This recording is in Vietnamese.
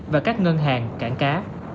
và các ngân hàng cảng cá